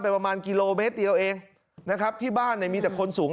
ประมาณกิโลเมตรเดียวเองนะครับที่บ้านเนี่ยมีแต่คนสูง